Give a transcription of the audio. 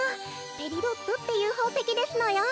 ペリドットっていうほうせきですのよ。